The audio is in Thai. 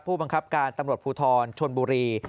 ผู้บังคับการตำรวจภูทรชนบุรี